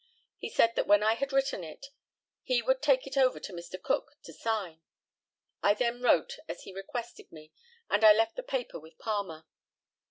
He said that when I had written it he would take it over to Mr. Cook to sign. I then wrote as he requested me, and I left the paper with Palmer.